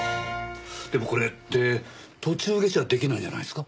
でもこれって途中下車できないんじゃないですか？